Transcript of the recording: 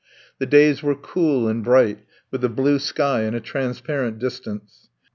The days were cool and bright, with a blue sky and a transparent distance.